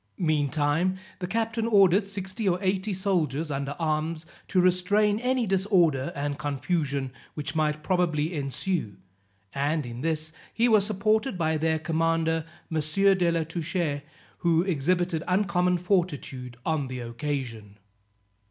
Meantime the captain ordered sixty or eighty soldiers under arms, to restrain any disorder and confusion which might probably ensue; and in this he was supported by their commander, M. de la Touche, who exhibited uncommon fortitude on the occasion.